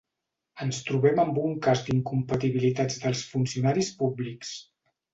Ens trobem amb un cas d’incompatibilitats dels funcionaris públics.